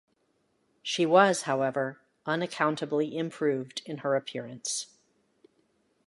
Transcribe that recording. She was, however, unaccountably improved in her appearance.